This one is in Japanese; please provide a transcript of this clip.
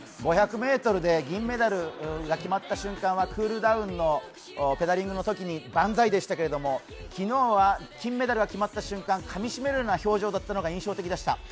５００ｍで銀メダルが決まった瞬間はクールダウンのペダリングのときに万歳でしたけれども、昨日は金メダルが決まった瞬間、かみしめるような表情が印象的でした。